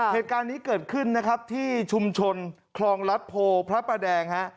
เหตุการณ์นี้เกิดขึ้นนะครับที่ชุมชนคลองรัฐโพพระประแดงฮะ